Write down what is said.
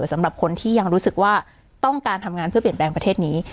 สำหรับคนที่ยังรู้สึกว่าต้องการทำงานเพื่อเปลี่ยนแปลงประเทศนี้